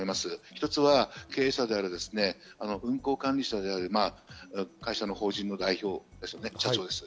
一つは経営者である運航管理者である会社の法人の代表、社長です。